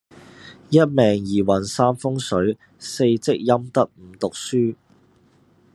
一命二運三風水四積陰德五讀書